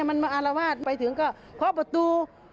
มันมาอารวาสไปถึงก็เคาะประตู